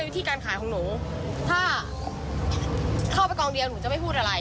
ถ้าเข้าไปกองเดียวลูกจะไม่พูดอะไร